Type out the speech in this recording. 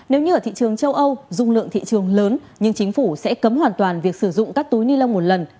nếu như ở thị trường châu âu dung lượng thị trường lớn nhưng chính phủ sẽ cấm hoàn toàn việc sử dụng các túi ni lông một lần